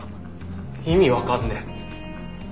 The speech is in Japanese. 意味分かんねえ。